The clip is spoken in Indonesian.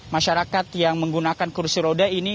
masyarakat yang menggunakan kursi roda ini